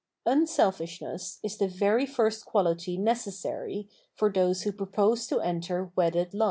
Unselfishness is the very first quality necessary for those who propose to enter wedded life.